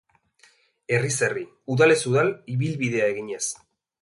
Herriz herri, udalez udal ibilbidea eginez.